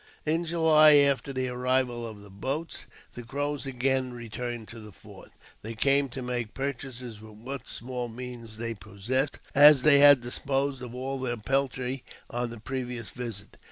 In July, after the arrival of the boats, the Crows again re turned to the fort. They came to make purchases with what small means they possessed, as they had disposed of all their peltry on their previous visit.